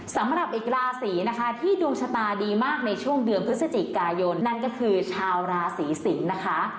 สำหรับอีกราศีนะคะที่ดวงชะตาดีมากในช่วงเดือนพฤศจิกายนนั่นก็คือชาวราศีสิงศ์นะคะ